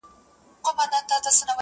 غوړه مال چي چا تر څنګ دی درولی-